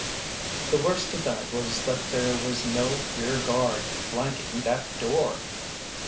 The worst of that was that there was no rear guard flanking that door!